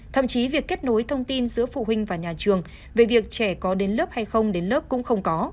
thậm chí việc kết nối thông tin giữa phụ huynh và nhà trường về việc trẻ có đến lớp hay không đến lớp cũng không có